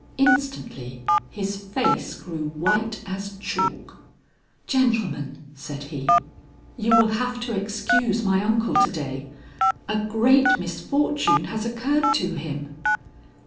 Instantly his face grew white as chalk. "Gentlemen," said he, "you will have to excuse my uncle to day; a great misfortune has occurred to him."